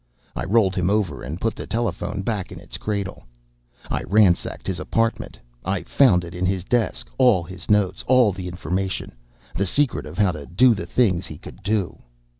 I rolled him over and put the telephone back in its cradle. I ransacked his apartment. I found it in his desk: All his notes. All the information. The secret of how to do the things he could do.